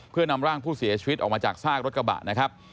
เพื่อนำร่างผู้เสียชีวิตออกมาจากซากรถกระบะนะครับ